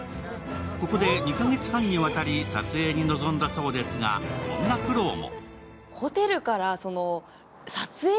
ここで２か月半にわたり撮影に臨んだそうですがこんな苦労も。